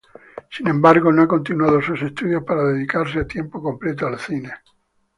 Sin embargo, no ha continuado sus estudios para dedicarse a tiempo completo al cine.